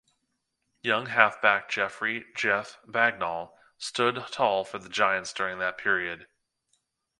Young halfback Geoffrey "Geoff" Bagnall stood tall for The Giants during that period.